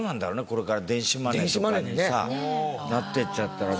これから電子マネーとかにさなっていっちゃったら。